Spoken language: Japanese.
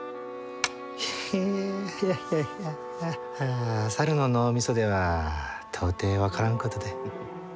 ヘヘッいやいや猿の脳みそでは到底分からんことで。